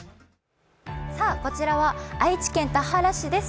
こちらは愛知県田原市です。